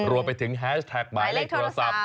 รวมไปถึงแฮชแท็กหมายเลขโทรศัพท์